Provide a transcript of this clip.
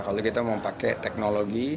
kalau kita mau pakai teknologi